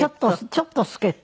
ちょっと助っ人。